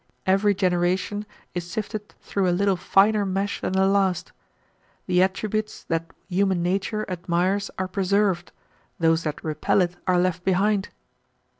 Every generation is sifted through a little finer mesh than the last. The attributes that human nature admires are preserved, those that repel it are left behind.